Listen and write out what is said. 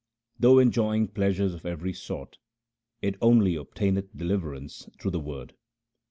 Though enjoying pleasures of every sort, it only obtaineth deliverance through the Word.